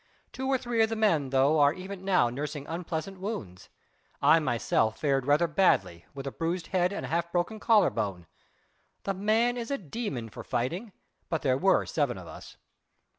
Two or three of the men, though, are even now nursing unpleasant wounds. I myself fared rather badly with a bruised head and half broken collar bone.... The man is a demon for fighting, but there were seven of us."